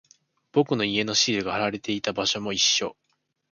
僕の家のシールが貼られていた場所も一緒。